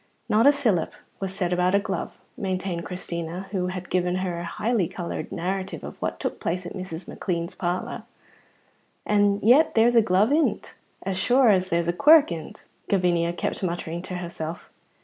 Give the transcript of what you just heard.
"Not a sylup was said about a glove," maintained Christina, who had given her a highly coloured narrative of what took place in Mrs. McLean's parlour. "And yet there's a glove in't as sure as there's a quirk in't," Gavinia kept muttering to herself.